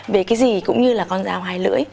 về cái gì cũng như là con dao hai lưỡi